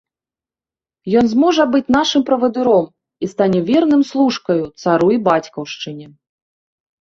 Ён зможа быць нашым правадыром і стане верным служкаю цару і бацькаўшчыне.